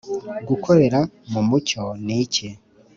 Gukorera mu mucyo ni iki